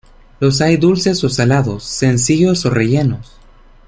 Los hay dulces o salados, sencillos o rellenos.